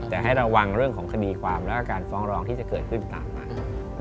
แต่ให้ระวังเรื่องของคดีความและการฟ้องร้องที่จะเกิดขึ้นตามมา